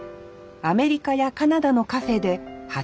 アメリカやカナダのカフェで８年間